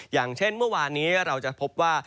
อย่างเช่นเมื่อวานนี้เราจะพบว่า